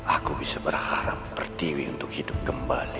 aku bisa berharap pertiwi untuk hidup kembali